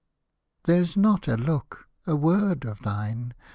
There's not a look, a word of thine.